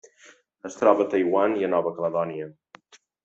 Es troba a Taiwan i Nova Caledònia.